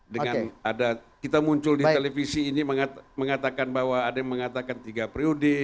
dengan ada kita muncul di televisi ini mengatakan bahwa ada yang mengatakan tiga periode